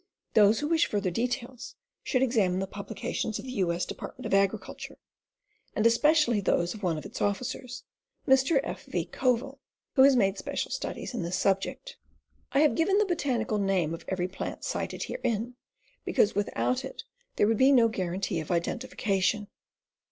Those who wish further details should examine the publications of the U. S. Department of Agriculture, and especially those of one of its officers, Mr. F. V. Coville, who has made special studies in this subject. I have given the botanical name of every plant cited herein, because without it there would be no guarantee of identification.